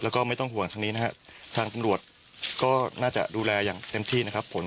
แล้วก็ไม่ต้องห่วงทางนี้นะครับทางตำรวจก็น่าจะดูแลอย่างเต็มที่นะครับผม